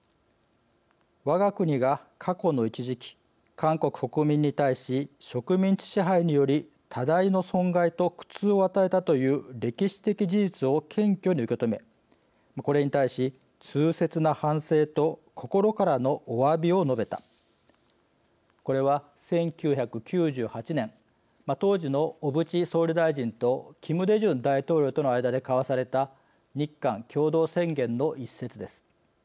わが国が過去の一時期韓国国民に対し植民地支配により多大の損害と苦痛を与えたという歴史的事実を謙虚に受け止めこれに対し、痛切な反省と心からのお詫びを述べたこれは１９９８年当時の小渕総理大臣とキム・デジュン大統領との間で交わされた日韓共同宣言の一節です。